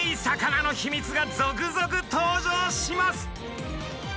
魚のヒミツが続々登場します！